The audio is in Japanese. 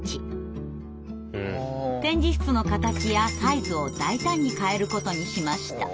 展示室の形やサイズを大胆に変えることにしました。